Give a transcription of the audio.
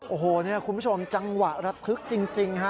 โอ้โหนี่คุณผู้ชมจังหวะระทึกจริงฮะ